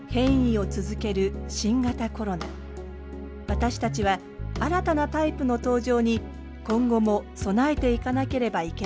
私たちは新たなタイプの登場に今後も備えていかなければいけないのです。